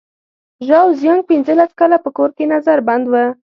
ژاو زیانګ پنځلس کاله په کور کې نظر بند و.